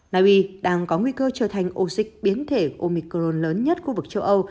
naiwi đang có nguy cơ trở thành ô dịch biến thể omicron lớn nhất khu vực châu âu